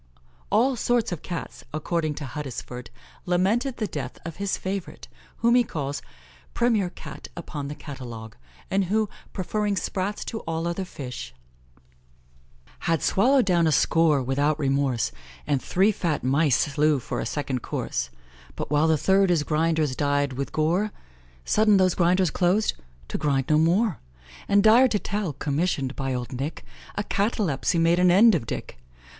All sorts of Cats, according to Huddesford, lamented the death of his favourite, whom he calls "premier Cat upon the catalogue," and who, preferring sprats to all other fish: "Had swallow'd down a score, without remorse, And three fat mice slew for a second course; But, while the third his grinders dyed with gore, Sudden those grinders clos'd to grind no more! And, dire to tell! commission'd by old Nick, A catalepsy made an end of Dick.